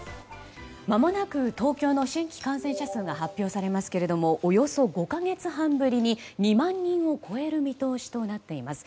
まもなく東京の新規感染者数が発表されますけれどもおよそ５か月半ぶりに２万人を超える見通しとなっています。